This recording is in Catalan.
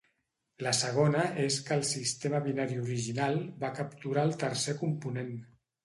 La segona és que el sistema binari original va capturar el tercer component.